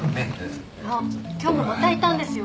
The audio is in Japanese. あっ今日もまたいたんですよ